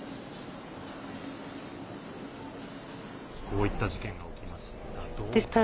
こういった事件が起きました。